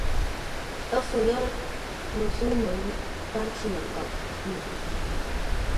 Ə́ fû yə́rə́, no sə̌u məngwʉ̂ gháp cwímənkoʼ me.